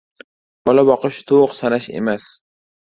• Bola boqish tovuq sanash emas.